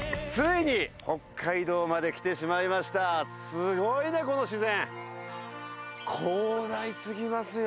すごいね、この自然。